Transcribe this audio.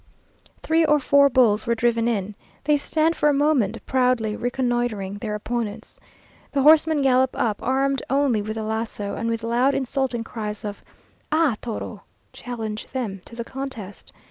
Three or four bulls are driven in. They stand for a moment, proudly reconnoitring their opponents. The horsemen gallop up, armed only with the laso, and with loud insulting cries of "Ah toro!" challenge them to the contest.